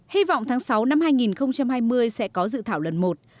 hy vọng tháng sáu năm hai nghìn hai mươi sẽ có dự thảo lần một